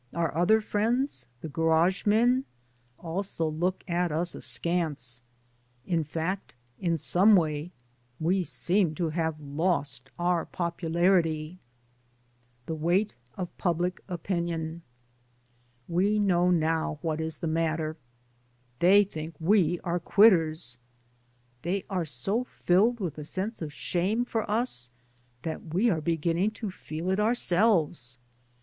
Our other friends, the garage men, also look at us askance ŌĆö ^in fact in some way we seem to have lost our popularity. Digitized by LjOOQ IC . CHAPTER Xn THE WEIGHT OP PUBLIC OPINION WE know now what is the matter I They think we are quitters I They are so filled with a sense of shame for ns that we are beginning to feel it ourselves.